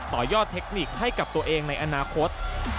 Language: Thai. ต่อยอดเทคนิคให้กับตัวเองในอนาคต